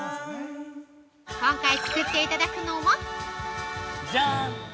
今回、作っていただくのは◆ジャーン。